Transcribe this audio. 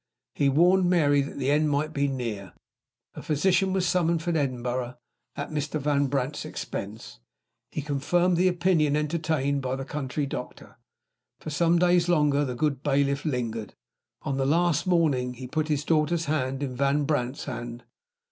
He warned Mary that the end might be near. A physician was summoned from Edinburgh, at Mr. Van Brandt's expense. He confirmed the opinion entertained by the country doctor. For some days longer the good bailiff lingered. On the last morning, he put his daughter's hand in Van Brandt's hand.